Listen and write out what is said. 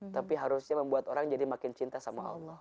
tapi harusnya membuat orang jadi makin cinta sama allah